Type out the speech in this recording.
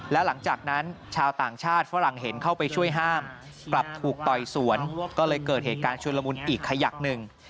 แล้วหลังจากนั้นชาวต่างชาติฝรั่งเห็นเข้าไปช่วยห้ามกลับถูกต่อยสวนก็เลยเกิดเหตุการณ์ชุนละมุนอีกขยักหนึ่ง